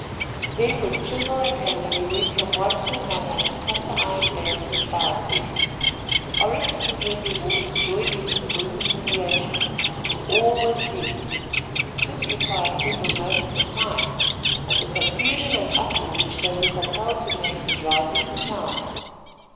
Then with chisel and hammer he went from one to another and cut the iron bands which bound them. Oracus and Henry Waters joined him in the work of liberation, until all were freed. This required several moments of time, and the confusion and uproar which they were compelled to make was rousing the town.